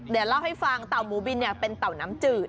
เดี๋ยวเล่าให้ฟังเต่าหมูบินเป็นเต่าน้ำจืด